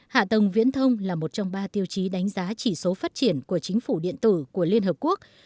hạ tầng viễn thông là một trong ba tiêu chí đánh giá chỉ số phát triển của chính phủ điện tử của liên hợp quốc